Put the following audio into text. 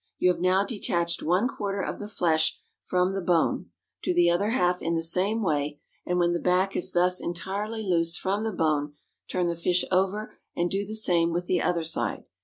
You have now detached one quarter of the flesh from the bone; do the other half in the same way, and when the back is thus entirely loose from the bone, turn the fish over and do the same with the other side.